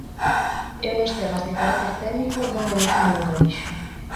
"Eu nos temas de carácter técnico non me metín nunca", dixo.